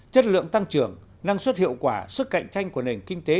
chất lượng tăng trưởng năng suất hiệu quả sức cạnh tranh của nền kinh tế